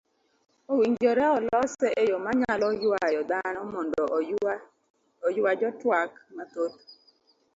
owinjore olose eyo manyalo yuayo dhano mondo oyua jotwak mathoth.